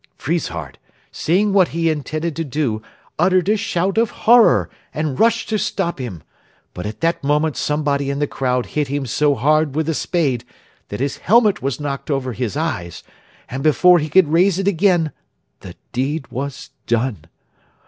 Friesshardt, seeing what he intended to do, uttered a shout of horror and rushed to stop him. But at that moment somebody in the crowd hit him so hard with a spade that his helmet was knocked over his eyes, and before he could raise it again the deed was done.